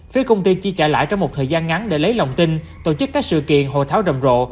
phía công ty chỉ trả lại trong một thời gian ngắn để lấy lòng tin tổ chức các sự kiện hội tháo rầm rộ